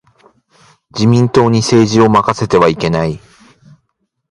自民党に政治を任せてはいけない。